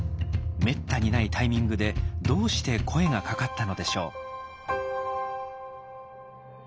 めったにないタイミングでどうして声がかかったのでしょう。